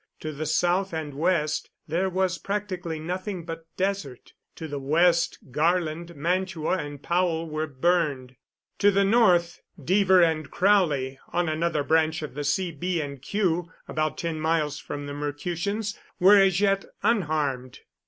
To the south and west there was practically nothing but desert. To the west Garland, Mantua and Powell were burned. To the north Deaver and Crowley on another branch of the C., B. and Q., about ten miles from the Mercutians were as yet unharmed.